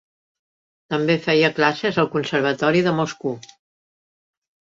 També feia classes al Conservatori de Moscou.